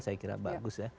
saya kira bagus ya